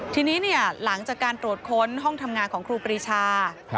ทีนี้หลังจากการตรวจค้นห้องทำงานของครูปรีชา